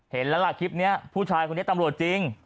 เห็นแล้วล่ะคลิปนี้ผู้ชายคนนี้ตำรวจจริง